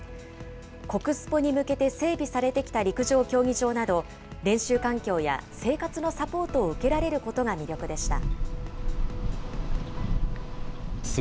国スポに向けて整備されてきた陸上競技場など、練習環境や生活のサポートを受けられることが魅力でした。